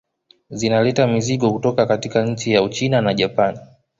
Zinaleta mizigo kutoka katika nchi za Uchina na Japani